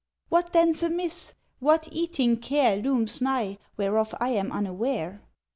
"What then's amiss. What eating care Looms nigh, whereof I am unaware?"